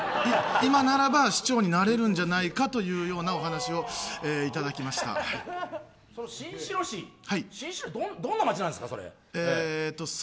今ならば市長になれるんじゃないかというようなお話を新城市、どんな街なんですか？